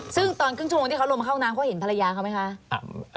ซึ่งตอนครึ่งชั่วโมงที่เขาลงมาเข้าน้ำเขาเห็นภรรยาเขาไหมคะ